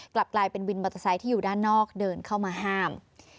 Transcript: กลับกลายเป็นวินมอเตอร์ไซค์ที่อยู่ด้านนอกเดินเข้ามาห้าม